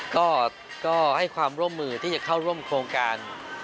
ก็ให้ความร่วมมือที่จะเข้าร่วมโครงการ